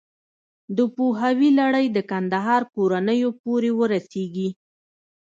د پوهاوي لړۍ د کندهار کورنیو پورې ورسېږي.